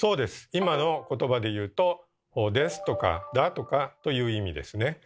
今の言葉でいうと「です」とか「だ」とかという意味ですね。